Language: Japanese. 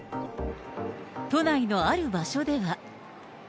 都内のある場所では。